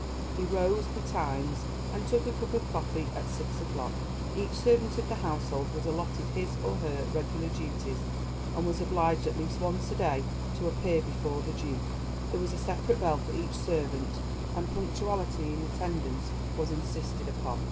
He rose betimes and took a cup of coffee at six o'clock. Each servant of the household was allotted his or her regular duties, and was obliged at least once a day to appear before the Duke. There was a separate bell for each servant, and punctuality in attendance was insisted upon.